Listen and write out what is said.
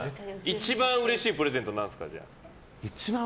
一番うれしいプレゼントはなんですか？